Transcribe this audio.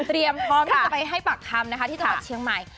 พร้อมที่จะไปให้ปากคำนะคะที่จังหวัดเชียงใหม่